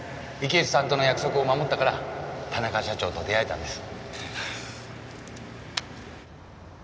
池内さんとの約束を守ったから田中社長と出会えたんです。